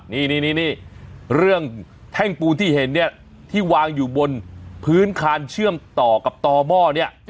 นี่เรื่องแท่งปูนที่เห็นเนี่ยที่วางอยู่บนพื้นคานเชื่อมต่อกับต่อหม้อเนี่ย